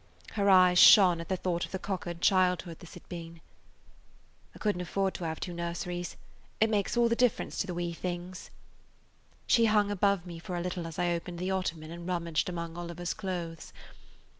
Her eyes shone at the thought of the cockered childhood this had been. "I couldn't afford to have two nurseries. It makes all the difference to the wee things." She hung above me for a little as I opened the ottoman and rummaged among Oliver's clothes.